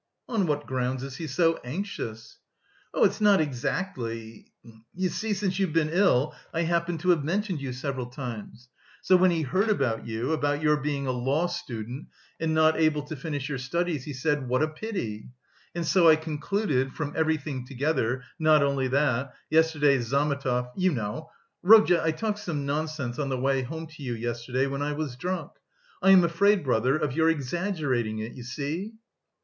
"On what grounds is he so anxious?" "Oh, it's not exactly... you see, since you've been ill I happen to have mentioned you several times.... So, when he heard about you... about your being a law student and not able to finish your studies, he said, 'What a pity!' And so I concluded... from everything together, not only that; yesterday Zametov... you know, Rodya, I talked some nonsense on the way home to you yesterday, when I was drunk... I am afraid, brother, of your exaggerating it, you see."